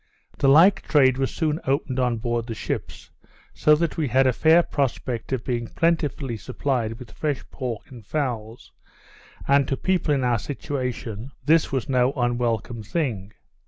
The like trade was soon opened on board the ships; so that we had a fair prospect of being plentifully supplied with fresh pork and fowls; and to people in our situation, this was no unwelcome thing.